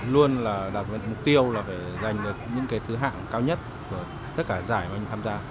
luôn là đạt được mục tiêu là phải giành được những cái thứ hạng cao nhất của tất cả giải mà anh tham gia